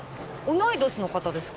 同い年の方ですか？